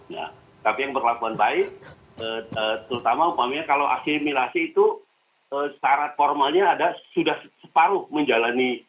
nah tapi yang berkelakuan baik terutama umpamanya kalau asimilasi itu syarat formalnya ada sudah separuh menjalani